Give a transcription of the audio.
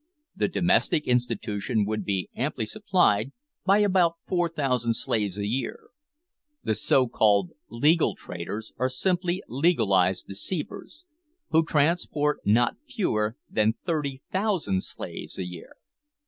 The "domestic institution" would be amply supplied by about 4000 slaves a year. The so called legal traders are simply legalised deceivers, who transport not fewer than 30,000 slaves a year!